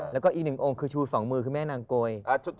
แล้วก็อีก๑องคือชู้๒มือคือแม่นางโกย